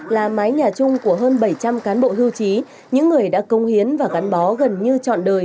là mái nhà chung của hơn bảy trăm linh cán bộ hiêu chí những người đã công hiến và gắn bó gần như trọn đời